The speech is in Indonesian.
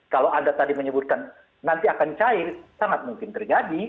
kalau anda tadi menyebutkan nanti akan cair sangat mungkin terjadi